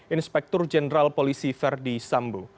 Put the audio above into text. inspektur jenderal polisi verdi sambo